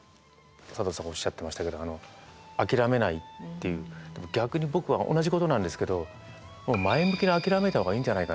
佐藤さんもおっしゃってましたけどあの諦めないっていうでも逆に僕は同じことなんですけどもう前向きに諦めた方がいいんじゃないかなっていう。